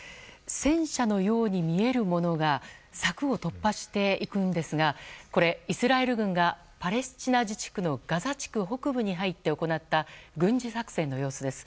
戦車のように見えるものが柵を突破していくんですがイスラエル軍がパレスチナ自治区のガザ地区北部に入って行った軍事作戦の様子です。